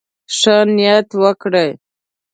ښه نيت وکړئ.